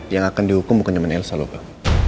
yang akan dihukum bukan cuma elsa loh pak